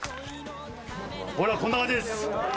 ほらこんな感じです。